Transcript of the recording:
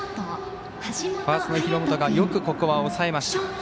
ファーストの廣本がよく、ここは抑えました。